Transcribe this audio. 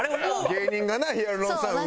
芸人がなヒアルロン酸打って。